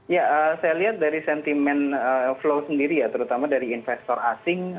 ya saya lihat dari sentimen flow sendiri ya terutama dari investor asing